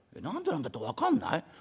『何でなんだ？』って分かんない？